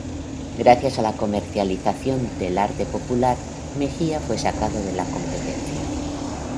Gracias a la comercialización del arte popular Mejía fue sacado de la competencia.